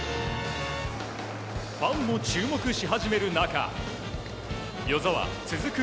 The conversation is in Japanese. ファンも注目し始める中與座は続く